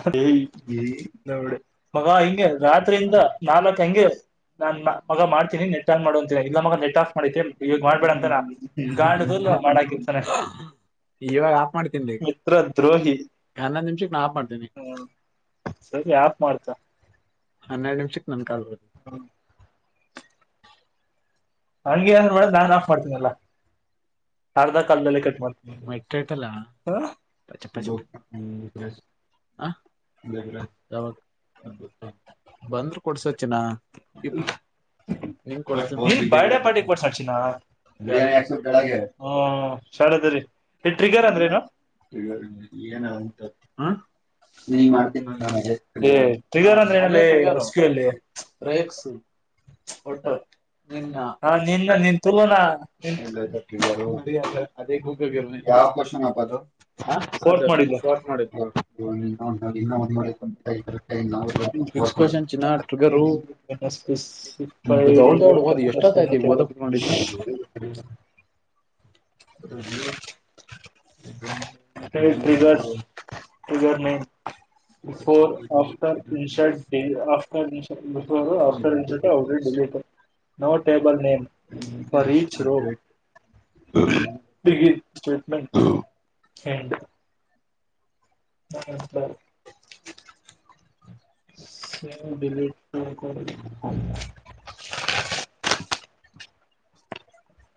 ಹ ನೋ ಮಗ ಹಿಂಗೆ ರಾತ್ರಿಯಿಂದ ನಾಲ್ಕ್ ಹಂಗೆ ನಾನ್ ಮಗ ಮಾಡ್ತನಿ ನೆಟ್ ಆನ್ ಮಾಡೋ ಅಂತಿನಿ ಇಲ್ಲ ಮಗ ನೆಟ್ ಆಫ್ ಮಾಡತೆ ಈವಗ್ ಮಾಡ್ಬೇಡ ಅಂತ ನಾ ಗಾ ಮಾಡಾಕಿರ್ತಾರೆ ಮಿತ್ರ ದ್ರೋಹಿ ಹ್ಮ್ ಸರಿ ಯಾಪ್ ಮಾಡ್ತ ಹ್ಮ್ಮ ಹಂಗಗೆ ಮಾಡ ನಾನನ್ ಆಫ್ ಮಾಡ್ತೀನಲ್ಲ ಅರ್ಧಾ ಕಲ್ಲ್ಲ ಕಟ್ ಮಾಡ್ತನ ಬ ಬಂದ್ರ ಕೊಡ್ಸಚಿನ ನೀ ಬರ್ಡೇ ಪಾರ್ಟಿ ಕೊಡ್ಾಸಿನ ಬಿಾನಿ ಹ್ಮ ಶಾಲೆದ್ರೀ ಇಟ್ರಿಗಾರಂದ್ರ ನು ಏನಲ್ಲ ನಿಂತ ಹ ನೀನ್ ಮಾಡ್ತೀನಿ ನ ಅದೇ ಅದೇಗಾರ ರೇಕ್ಸು ಒಟ್ಟು ನಿನ್ನ ಹಾ ನಿನ್ ನೀನ್ ತುಲೋನಾ ಕುೋ ಮಾಡ ಕ ಪ ರಡಿಯೋ ಹಗ ನೀ ಬಿಫೋರ್ ಆಫ್ಟರ್ ಇನ್ಸ ಆಫ್ಟರ್ ಇ ಆಫ್ಟರ್ ಇನ್ಔ ಡೆ ನೋಟೇಬಲ್ ನೇಮ ರಚ್ ರೋ ಗ ಸ್ಟ್ಮ ಹಾ ಹ ಸ ಟ್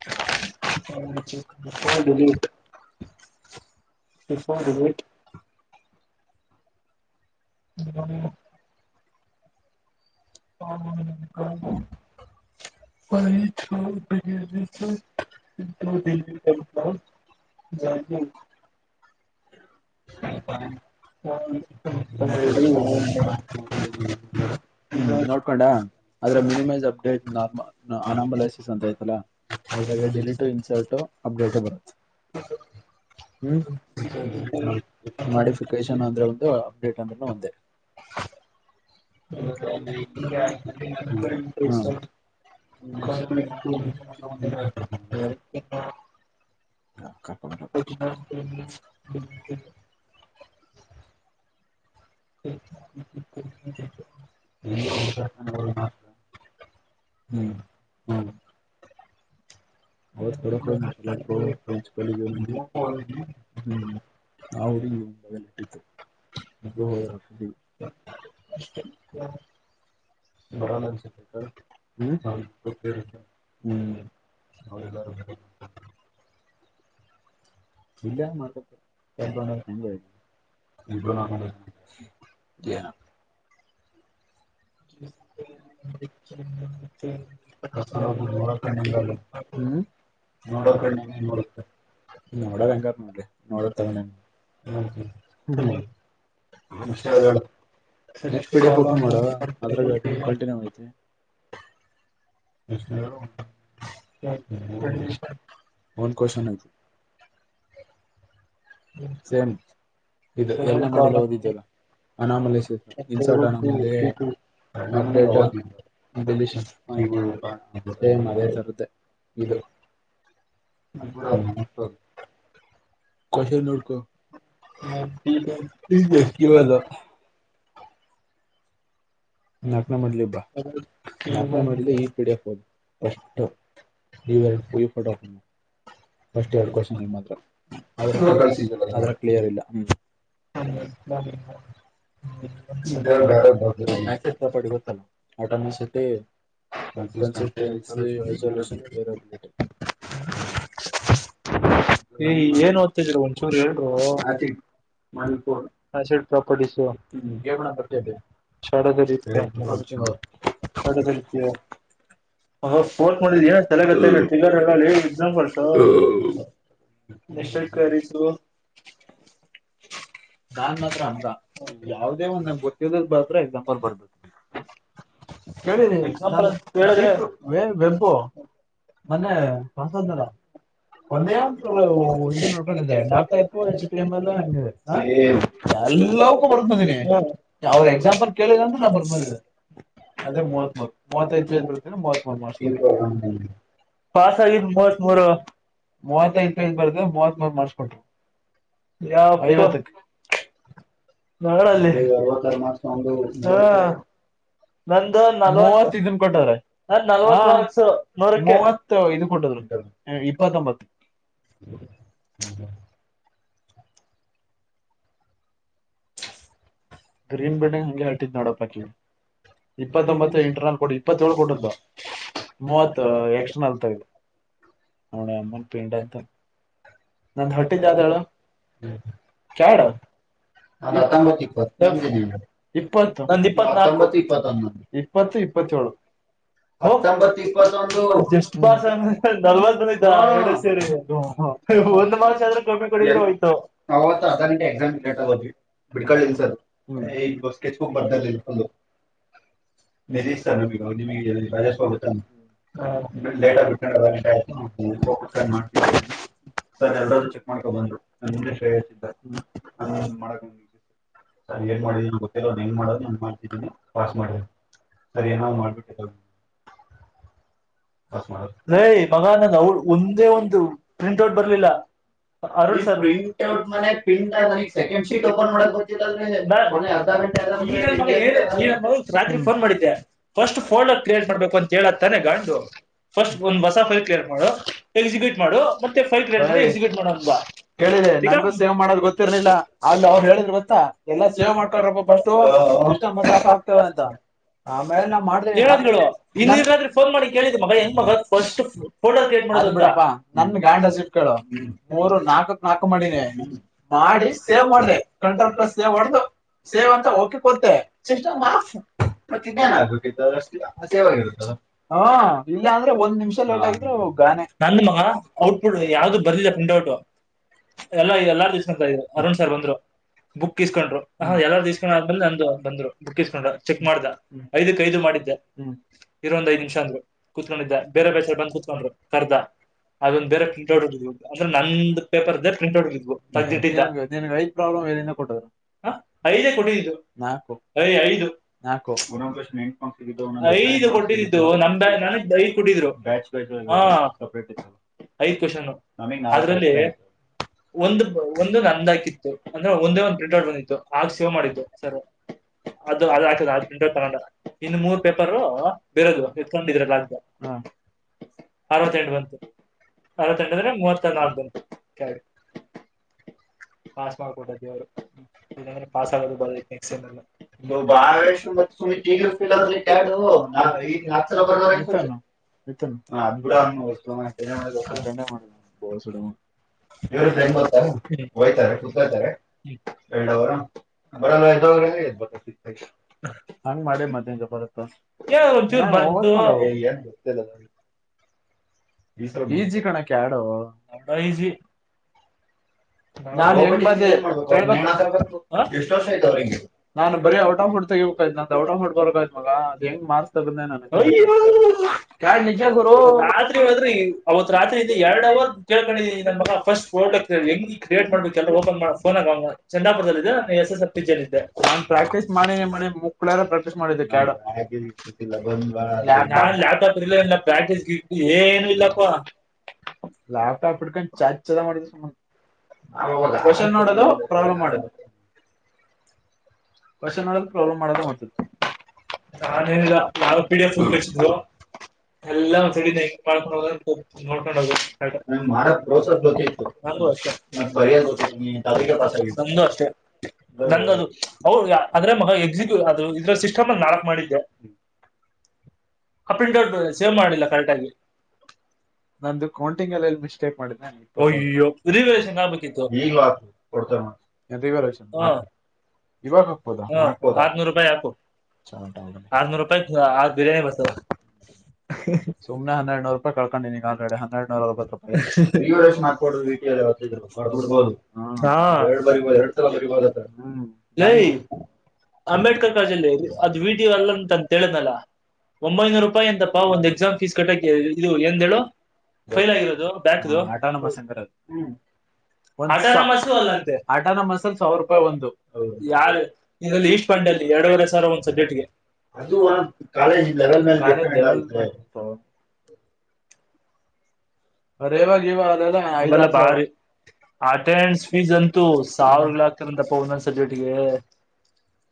ಹ ಎಟ್ ಹ್ಮ್ ಹ್ಮ ಹ್ಮ ಹ್ಮ ಹ್ಮ ಇ ಜಯ ಹ ಹ್ಮ ನೋಡ್ಕೊಂಡ ಅದ್ರೆ ಮಿನಿಮಸ್ ಅಪ್ಡೇಟ್ ನತ್ ಅನಂಬಾಲಯ ಸಿ ಸಂತಯತಲ್ಲ ಅದ್ರಾಗ ಡಿಲೀಟು ಇನ್ಸರ್ಟು ಅಪ್ಡೇಟು ಬರುತ್ತೆ ಹ್ಮ್ ಮಾಡಿಫಿಕೇಶನ್ ಅಂದ್ರೆ ಒಂದು ಅಪ್ಡೇಟ್ ಅಂದ್ರ ಒಂದೆ ಬ ಹ [unintelligible] ಹ್ಮ ಹ್ಮ್ ಹ್ಮ್ [unintelligible] ಅವವ ೋಡಕೋಡಿ ನಟ ್ರೆಂಚ್ ಕಲ್ಲಿ್ಮ ನಾವು ಹುಡುಗಿ ಒ ಬಟ್ಟಿದ್ದು ಹ ಹೋದ್ರ ಅಷ್ಟ ಹ ಬ ಹ್ಮ್ ಹ್ಮ್ ಹ್ಮ್ ಇಲ್ಲಯ ಮಾಡ್ಕ ತರ್ಕೊಂಡ ಇಬ್ರು ನಕೊಂಡ ಜಿ ಹಾ ಹ. [unintelligible] [unintelligible] ಹ್ಮ ಹ್ಮ್. ಹ ನೆಕ್ಸ್ಟ್ ಪಡಫ ಓಪನ್ ಮಾಡುವ.. ಅದ್ರಾಗಂದೆ ಕಂಟಿನ್ಯೂ ಐತೆ.. [unintelligible] ಹ. [unintelligible] ಹ [unintelligible] ಅ [unintelligible] ಇದು ಹ ಹ. [unintelligible] ಅ. [unintelligible] ನಾಲ್ಕನೇ ಮಾಡ್ಲಿ ಬಾ ನಾಲ್ಕನೇ ಮಾಡ್ಲಿ ಈ ಪಿ ಡಿ ಎಫ್ ಹದು ಫಸ್.. [inaudible] ಫಸ್ಟ್ ಎರ್ಡ್ ಕ್ವನ್ ಮಾತ್ರ ಕ್ಲಿಯರ್ ಇಲ್ಲ ಹ್ಮ.. ಹ್ಮ್ ಹ್ಮ. ಬ ಬ ಆಪಡಿ ಗೊತ್ತಲ್ಲ ಆಟೋಮೆಸಿಟಿ.. ಐಡಬ.. [unintelligible] ಏನ್ ಓದ್ತಿದ್ರ ಒಂಚೂರು ಹೇಳರು.. ಮಣಿಪುರ್ ಆಸೆಟ್ ಪ್ರಾಪರ್ಟಿಸ್.. [unintelligible] ಶಡ ತರಿ.. [unintelligible] ಅದ ಸ್ಫೋರ್ಟ್ ಮಾಡಂದಿದ್ದ ಏನ ಚಲೆಗತ್ತ ಟಿಗರ್ ಎಕ್ಸಾಂಪಲ್.. ಹ ನಿಶಕರಿತ. ಹ. [unintelligible] ವ.. [unintelligible] ಮನೆ ಪಸಂದರ. ಒ.. [unintelligible] ಅಂಬ ಅವ ಎಸಾಂಪಲ್ಳ.. [unintelligible] ಪಾಸ ಆ.. [unintelligible] ಮೂವತ್ತೈದು ಬ ಮೂವ.. ಯಾವ್.. ನಲ್ಲಿ ಕರ್ಮಸ್ವಾಮ.. ನಂದು ನಲ್ವತ್ ನ ನಲ್ವತ್ ವಾರಕ್ ನೂರಕ್ಕೆ.. ಇ.. [unintelligible] ಗ್ರೀನ್ ಬಿಲ್ಡಂಗ್ ಹಂಗೆ ಹಿ ಪ್ರಕ.. ಇಪ್ಪತ್ತೊಂಬತ್ತು ಇಂಟ್ರ ನ ಕೊಡಿ ಇಪ್ಪತ್ತಏಳು ಕೊಟ್ಟದ.. ಮೂವತ್ ಎಕ್ಕ್ಷ ನಲ್ ತಗದೆ ನಣ ಅಮ್ಮನ್ ಪಿಂಡ ಅಂತ. ಹ ಮ ಚ. [unintelligible] ಹ ಇಪ್ಪತ್ಲ್ಕ ಇ. [inaudible] [unintelligible] ಸ್ಟ್ ಪಸ್ ಅಂದ್ರ ನಲ್ವತ್ ಮನ ಎರಡು ಸೇರಿ. [inaudible] ಒಂದ್ ಮಾರ್ಚ್ ಆದ್ರೂ ಕಮ್ಮಿ ಕೊಡಿದ್ರೆ ಹಯ್ತು. [inaudible] ಹಡ್ ಕಳ ಸರ್ ಈ ಗಸ್ ಮ. [inaudible] ನಿ ಸ ರಾಜ ಸ್ವಾಗತ. [inaudible] ಹ ಲೇಟ್ ಆಯ್.. [inaudible] ಸರಿ ಅದ ಮಾಡ್ಕ ಬು ನಷತ ಹ. [inaudible] ಏನ್ ಮಾಡಿದೀ ನ ಗೊತ್ತಿಲ್ಲ ಹೆನ್ ಮಾಡ ಮಾಡ್ತಿದ್ದೀನಿ ಪಾಸ್ ಮಾಡಿದ. [inaudible] ಸರಿ ಏನ ನೋಡ್ ನಯ ಮಗಾನಂದ ಅವ ಒಂದೇ ಒಂದು ಪ್ರಿಂಟ್ ಔಟ್ ಬರ್ಲಿಲ್ಲಾ Aruna sir printout second sheet ಮಾಡಕ ಬಂದಿಲ್ಲ ಅಂದ್ರೆ ಅ [inaudible] ಈ ನನ್ ಮಗನಿಗೆ ರಾತ್ರಿ ಫೋನ್ ಮಾಡಿದ್ದೆ ಫಸ್ಟ್ ಫೋಲ್ಡ್ ಕ್ರಿಯೇಟ್ ಮಾಡ್ಬೇಕು ಅಂತ ಹೇಳುತ್ತಾನೆ. ಗಂಡು ಫಸ್ಟ್ ಒಂದ್ ಹೊಸ ಫೈಲ್ ಕ್ರಿಯೇಟ ಮಾಡು ಎಕ್ಸಿಕ್ಯೂಟ್ ಮಾಡು ಮತ್ತೆ ಫೈಲ್ ಕ್ರಿಯೇಟ್ ಮಾಡು ಅದೇ ಎಕ್ಸಿಕ್ಯೂಟ್ ಮಾಡೋ ಬಾ [unintelligible] [inaudible] ಷ್ಟ ಮಸಾಫ ಆಗ್ತವೆ ಅಂತ ಆಮೇಲೆ ನಾ ಮಾಡ್ದ [inaudible] [inaudible] ಅದ ಬಿಡಪ್ಪ ನನ್ ಗಾಂಡ ಸಿಪ್ ಕೇಳು ಮೂರು ನಾಲ್ಕಕ್ ನಾಲ್ಕು ಮಾಡಿನಿ ಮಾಡಿ ಸೇವ್ ಮಾಡ್ರಿ ಕಂಟ್ರೋಲ್ ಪ್ಲಸ್ ಸೇವ್ ಹೊಡ್ದ ಸೇವ್ ಅಂತ ಹೋಗಕೆ ಕೊತ್ತ ಚಲ್ ಮಾಫ್ ಮತ್ತೆ ಇನ್ನೇನ್ ಆಗ್ಬೇಕಿ ಸೇವರುತ್ತದ. [inaudible] ನಂದ ಮಗ ಔಟ್ಪುಟ್ ಯಾವ್ದು ಬರ್ದಿಲ್ಲ ಫ್ರಿಂಡ್ ಔಟ್. [inaudible] ಎಲ್ಲಾ ಎಲ್ಲಾರ ದಿವ್ಸ ಅಂತ ಇದ್ರು ಅರುಣ್ ಸರ್ ಬಂದ್ರು.. ಬುಕ್ ಇಸ್ಕೊಂಡ್ರು ಹ ಎಲ್ಲಾರು ಇಸ್ಕೊಂಡ್ಲ ನಂದು ಬಂದ್ರು ಬುಕ್ ಇಸ್ಕೊಂಡ್ರು ಚೆಕ್ ಮಾಡ್ದ ಐದಕ್ ಐದು ಮಾಡ ಇರವಂದ್ ಐದ್ ನಿಮಿಷ ಅಂದ್ರು ಕೂತ್ಕೊಂಡಿದ್ದೆ ಬೇರೆ ಬೇಸಾರ ಬಂದ್ ಕುತ್ಕೊಂಡ್ರು ಕರ್ದ ಅದೊಂದ್ ಬೇರೆ ಪ್ರಿಂಟ್ ಔಡ್ಡಿದ್ವು ಅಂದ್ರೆ ನಂದ್ ಪೇಪರ್ ದೇ ಪ್ರಿಂಟ್ ಔಡ್ ಇದ್ವು ತಗಟ್ಟ್ [unintelligible] ಹ ಐದೇ ಕೊಟ್ಟಿದ್ದು ಯ ಐದು ಐದು ಕೊಟ್ಟಿದ್ದು ನನಗ್ ಬೈ ಕುಟ್ಟಿದ್ರು ಹಾ [inaudible] ಐದ್ ಕೋಶನ್ ಅದ್ರಲ್ಲಿ [inaudible] ಒಂದ್ ಒಂದೊಂದ ನಂದಾಕಿತ್ತು ಅಂದ್ರೆ ಒಂದೇ ಒಂದ್ ಪ್ರಿಂಟ್ ಔಟ್ ಬಂದಿತ್ತು ಆಗ ಸೇವ ಮಾಡಿದ್ದು ಸರ್ ಅದು ಅದ ಆಕತದ ಅ ಪ್ರಿಂಟ ತಗೊಂಡ ಇನ್ನು ಮೂರ್ ಪೇಪರ್ ಬೇರೇದು [unintelligible] ಅರವತ್ತೆಂಟು ಬಂತು ಅರವತ್ತೆಂಟ ಅಂದ್ರೆ ಮೂವತ್ದ ನಾಲ್ಕ ಬಂತು ಪಾಸ್ ಮಾಡಕೊಟ್ಟಾ ದೇವರು ಇಲ್ಲಾಂದ್ರೆ ಪಾಸ್ ಆಗದು ಬರ್ ಎಕ್ಸಲ್ [unintelligible] ನಾ ಈಗ ನಾಕ್ ಸಲ್ಲ ಬರ ಇ ಅದು ಬಿೂಡ ಮಾಡ [unintelligible] ಇವ್ರಿಬ್ರು ಹೆಂಗ್ ಗೊತ್ತಾ ಹೋಯ್ತಾರೆ ಕುತ್ಕೊತಾರೆ ಎರಡು ಅವರು ಬರಲ್ ಎದ್ದೇಳು [unintelligible] ಹಂಗ ಮಾಡಿ [unintelligible] ನ ನತ್ತು ನ ಬ [inaudible] [unintelligible] [unintelligible] [unintelligible] ರಾತ್ರಿ ಹೋದ್ರೆ ಅವತ್ ರಾತ್ರಿಯಿಂದ ಎರಡ್ ಅವರ್ ಕೇಳ್ಕೊಂಡಿದೀನಿ ನಮ್ಮ ಮಗ ಫಸ್ಟ್ ಫೋಟೋ ಹೆಂಗ ಡಿೇಟ್ ಮಾಡ್ಬೇಕ ಎಲ್ಲ ಓಪನ್ ಮಾಡ ಫೋನ್ ಆಗ ಚಂದಾಪುರದದಲ್ಲಿ ಇದೆ ಎಸ್ ಎಸ್ ಎಫ್ಟ ಇದೇ [inaudible] [unintelligible] ಏ ಏನು ಇಲ್ಲಪ್ಪಾ [unintelligible] [unintelligible] ನಾನಿಲ್ಲ ನಾನು ಪೀಡಿಎಪ್ ತೆಗೆಸ್ಬಿಡು ಎಲ್ಲಡಕೊಂಡ ನೋಡ್ಕೊಂಡ ಹೋಗ [unintelligible] [inaudible] ನಾನು ಅಷ್ಟೇ [unintelligible] [inaudible] ಹ ಅದ್ರೆ ಮಗ ಎಕ್ಸಿಕ್ಯೂ ಅದು ಇದ್ರ ಸಿಸ್ಟಮ್ ಅ ನಾಕ್ ಮಾಡಿದ್ದೆ ಆಫ್ ಪ್ರಿಂಟೌಟ್ ಸೇವ್ ಮಾಡ್ಲಿಲ್ಲ ಕರೆಕ್ಟ್ ಆಗಿ [inaudible] [unintelligible] [unintelligible] ಹಾ ಹಾತ್ನೂರು ರೂಪಾಯಿ ಹಾಕು ಆರ ನೂರ ರೂಪಾಯಿ ಆರ ಬಿರಯಾನಿ ಬರ್ತದ [inaudible] ಸುಮ್ಮನೆ ಹೆರಡುರು ರೂಪಾಯ ಕಳಕೊಂಡು ನಿ ಆಲ್ಡಿ ಹೆನೇರಡನೂರವ ರೂಪಾಯಿ [unintelligible] ಬಡ್ಬೋದು ಹ್ಮ ಎರಡ್ ಬರಿಬೋದು ಎರಡ್ ತಲ ಬರಿಬೋದತ್ರ ಹ್ಮ [inaudible] ಲೈ ಅಂಬೇಡ್ಕರ್ ಕಜಲ್ಲಿ ಅದು ವಿಟಿಯ ಎಲ್ಲ ತನ್ ತಿಳನಲ್ಲ [inaudible] ಒಂಬೈನೂರು ರೂಪಾಯಿ ಅಂತಪ್ಪಾ ಒಂದ್ ಎಕ್ಸಾಮ್ ಫೀಸ್ ಕಟ್ಟಕ ಇದು ಎಂದೇಳು [inaudible] ಫೈಲ್ ಆಗಿರೋದು ಬ್ಯಾಕ್ದು [inaudible] ಆಟನ ಮಸೂ ಅಲ್ಲಂತೆಟ [inaudible] ಯಾರ ಇದೆಲ್ಲಿ ಈಸ್ಟ್ ಪಂಡಲ್ಲಿ ಎರಡುವರೆ ಸಾವರ ಒಂದ್ ಸಬ್ಜೆಟ್ಗೆ [inaudible] ಅದು ಒ ಕಾಲೇಜ್ ಲೆವೆಲ್ ಮೇಲೆತ [inaudible] ಒಲ್ಲ ಬಾರಿ [inaudible] ಅಟೆಂಡನ್ಸ್ ಫೀಸ್ ಅಂತೂ ಸಾವಿರ ಲಾಖ್ರಂತಪ್ಪ ಒಂದೊಂದ್ ಸಬ್ಜೆಕ್ಟ್ ಗೆ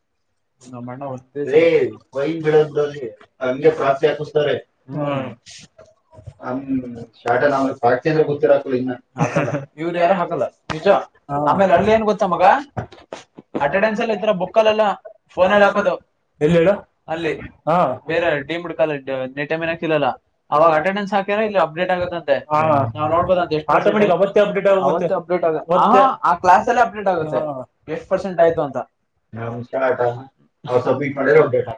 [inaudible] ಅೇ ಒ ಬೆಳದ ಅಗೆ ಪ್ರಾಚ ಹಾಕ್ತಾರೆ ಹ್ಮ [inaudible] ಹ [inaudible] ಾಟನ್ ನ ಕಾಚ ಅಂದ್ರೆ ಗೊತ್ತಿರಾಕ ಇನ್ನ ಹಾಕಲ್ಲ ಯವರಿ ಯಾರ ಹಾಕಲ್ಲ ನಿಜ ಆಮೇಲೆ ಅಲ್ಲಿ ಏನ್ ಗೊತ್ತ [inaudible] ಗ ಅಟೆಂಡನ್ಸ್ಲ್ಲ ಈರ ಬುಕ್ಲ್ಲೆಲ್ಲ ಫೋನಲ್ಲಿ ಹಾಕದು [inaudible] ಎ ಅಲ್ಲಿ ಬೇರೆ ಡೀಮ್ ಹಡ್ಕಲ್ಲ ನೆಟ ಮ ನಕ ಇಿಲ್ಲಲ್ಲ ಅವಾಗ [inaudible] ಆ ಇಲ್ಲ [inaudible] ಆಗುತ್ತಂತೆ ನಾವು ನೋಬುದು ಎಷ್ಟು ಪರ್ಸೆಂಟ್ ಅಪ್ಡೇಟ್ ಆ ಆ ಕ್ಲಾಸ್ ಎಲ್ಲ [inaudible] ಅಪ್ಡೇಟ್ ಆಗುತ್ತೆ ಎಷ್ಟು ಪರ್ಸೆಂಟ್ ಆಯ್ತು ಅಂತ [inaudible] ನಮ್ ಸ್ಟಾರ್ಟಾ ಅವ ಸಬ್ಮಿಟ್ ಮಾಡ ಅಪ್ಡೇಟ್ ಆಗ್ತದೆ [inaudible]